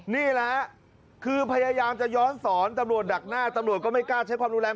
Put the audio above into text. นี่แหละคือพยายามจะย้อนสอนตำรวจดักหน้าตำรวจก็ไม่กล้าใช้ความรุนแรง